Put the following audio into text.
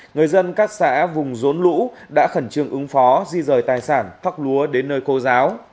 người dân các xã vùng rốn lũ đã khẩn trương ứng phó di rời tài sản thóc lúa đến nơi cô giáo